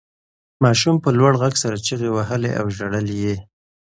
ماشوم په لوړ غږ سره چیغې وهلې او ژړل یې.